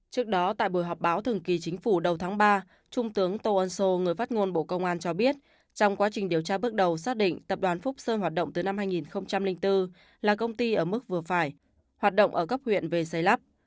trước đó tại buổi họp báo thường kỳ chính phủ đầu tháng ba trung tướng tô ân sô người phát ngôn bộ công an cho biết trong quá trình điều tra bước đầu xác định tập đoàn phúc sơn hoạt động từ năm hai nghìn bốn là công ty ở mức vừa phải hoạt động ở cấp huyện về xây lắp